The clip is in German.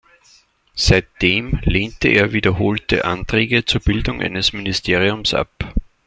Seitdem lehnte er wiederholte Anträge zur Bildung eines Ministeriums ab.